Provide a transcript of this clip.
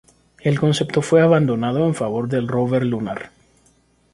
El concepto fue abandonado en favor del rover lunar.